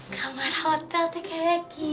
kamar hotel itu kayak gini